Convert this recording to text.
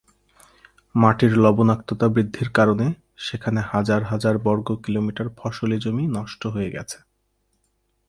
মাটির লবণাক্ততা বৃদ্ধির কারণে সেখানে হাজার হাজার বর্গকিলোমিটার ফসলি জমি নষ্ট হয়ে গেছে।